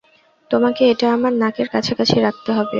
তোমাকে এটা আমার নাকের কাছাকাছি রাখতে হবে।